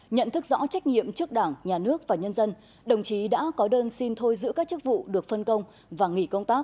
nhận thức rõ trách nhiệm trước đảng nhà nước và nhân dân đồng chí đã có đơn xin thôi giữ các chức vụ được phân công và nghỉ công tác